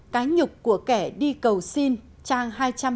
cái nhục của kẻ đi cầu xin trang hai trăm linh hai